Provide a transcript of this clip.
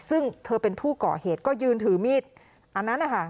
ซึ่งเธอเป็นผู้ก่อเหตุก็ยืนถือมีดอันนั้นนะคะ